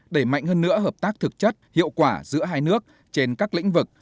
đẩy mạnh hơn nữa hợp tác thực chất hiệu quả giữa hai nước trên các lĩnh vực